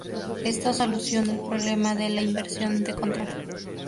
Esto soluciona el problema de la inversión de control.